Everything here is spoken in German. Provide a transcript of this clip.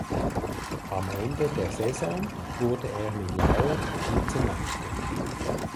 Am Ende der Saison wurde er mit "Lao" Vizemeister.